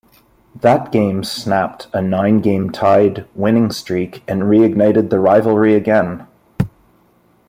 That game snapped a nine-game Tide winning streak and reignited the rivalry again.